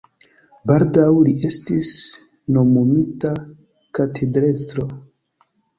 Baldaŭ li estis nomumita katedrestro.